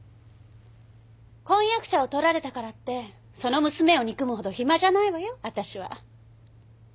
婚約者を取られたからってその娘を憎むほど暇じゃないわよわたしは。